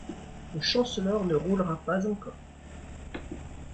Le Chancellor ne roulera pas encore !